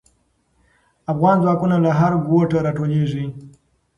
افغان ځواکونه له هر ګوټه راټولېږي.